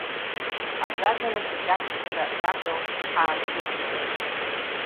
Аӡәаӡәала зегьы аԥсшәа раҳәо ҳаархысит.